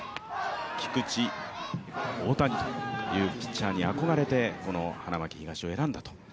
菊池、大谷というピッチャーに憧れて、この花巻東を選んだと。